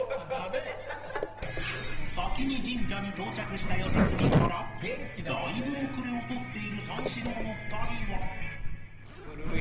先に神社に到着した良純からだいぶ後れを取っている三四郎の２人は